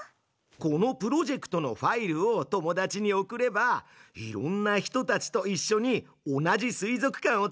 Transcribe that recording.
このプロジェクトのファイルを友達に送ればいろんな人たちといっしょに同じ水族館を楽しむことができるね！